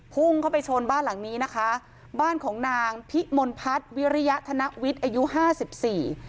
พุ่งเข้าไปชนบ้านหลังนี้นะคะบ้านของนางพิมลพัฒน์วิริยธนวิทย์อายุห้าสิบสี่